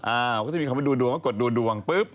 อะก็มีคำว่าดูดวงกดดูดวงปุ๊บ